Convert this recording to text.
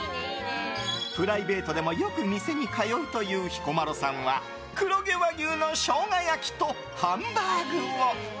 プライベートでもよくお店に通うという彦摩呂さんは黒毛和牛のショウガ焼きとハンバーグを。